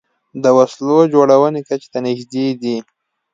د وسلو جوړونې کچې ته نژدې دي